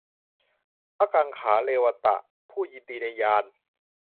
พระกังขาเรวตะ ผู้ยินดีในฌาน